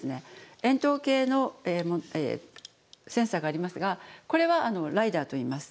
円筒形のセンサーがありますがこれはライダーといいます。